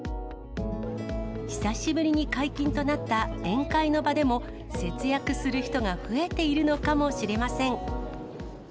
久しぶりに解禁となった宴会の場でも、節約する人が増えているのかもしれません。